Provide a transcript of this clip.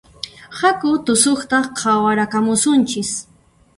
Haku tusuqta qhawarakamusunchis